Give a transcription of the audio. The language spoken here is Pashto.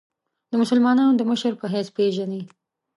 د مسلمانانو د مشر په حیث پېژني.